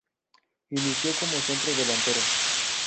Inició como centro delantero.